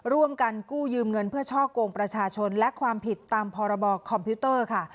ร่วมกันกู้ยืมเงินเพื่อช่อกงประชาชนและความผิดตามพรบคอมพิวเตอร์ค่ะ